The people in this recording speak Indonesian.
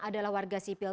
adalah warga sipil